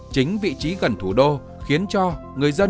chính vị trí gần thủ đô khiến cho người dân